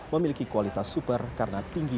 memiliki kualitas super karena tinggi